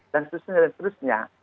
dan seterusnya dan seterusnya